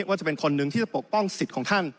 ว่าจะเป็นคนหนึ่งที่จะปกป้องสิทธิ์ของท่าน